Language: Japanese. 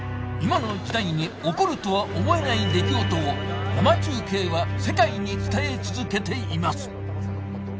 今の時代に起こるとは思えない出来事を生中継は世界に伝え続けています